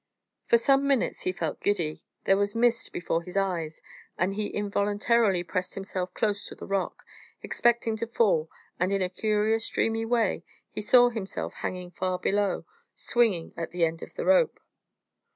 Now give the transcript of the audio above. For some minutes he felt giddy; there was a mist before his eyes, and he involuntarily pressed himself close to the rock, expecting to fall, and in a curious, dreamy way he saw himself hanging far below, swinging at the end of the rope.